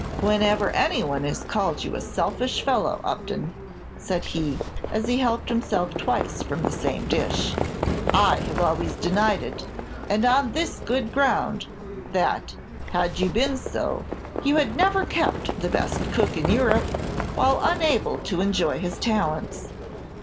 "Whenever any one has called you a selfish fellow, Upton," said he, as he helped himself twice from the same dish, "I have always denied it, and on this good ground, that, had you been so, you had never kept the best cook in Europe, while unable to enjoy his talents.